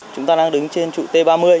chúng ta đang đứng trên trụ t ba mươi